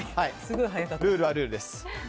ルールはルールです。